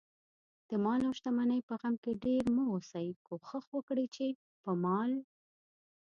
دمال اوشتمنۍ په غم کې ډېر مه اوسئ، کوښښ وکړئ، چې په مال